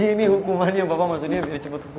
ini hukumannya yang bapak maksudnya biar cepet